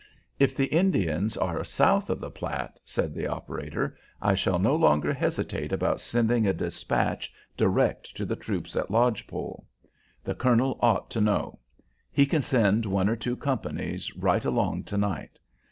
"If the Indians are south of the Platte," said the operator, "I shall no longer hesitate about sending a despatch direct to the troops at Lodge Pole. The colonel ought to know. He can send one or two companies right along to night.